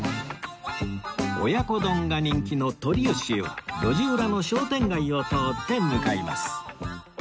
親子丼が人気のとりよしへは路地裏の商店街を通って向かいます